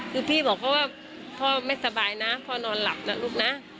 คือพี่บอกเขาว่าพ่อไม่สบายนะพ่อนอนหลับนะลูกนะ